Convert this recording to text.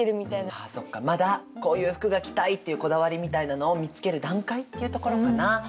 ああそうかまだこういう服が着たいっていうこだわりみたいなのを見つける段階っていうところかな。